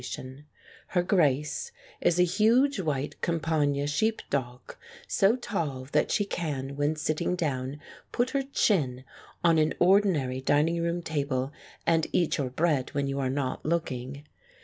70 The Dance on the Beefsteak Her Grace is a huge white Campagna sheep dog, so tall that she can, when sitting down, put her chin on an ordinary dining room table and eat your bread when you are not looking.